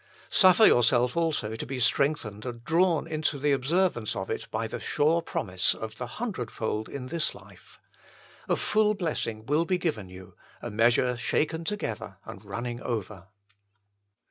Suffer yourself also to be strengthened and drawn into the observance of it by the sure promise of the " hundredfold in this life." A full blessing will be given you, a measure shaken together and running over.